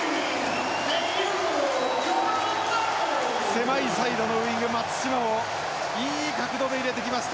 狭いサイドのウイング松島をいい角度で入れてきました。